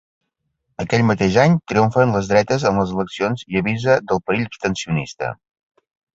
Aquell mateix any triomfen les dretes en les eleccions i avisa del perill abstencionista.